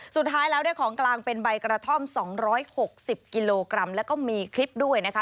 สุดท้ายแล้วได้ของกลางเป็นใบกระท่อม๒๖๐กิโลกรัมแล้วก็มีคลิปด้วยนะคะ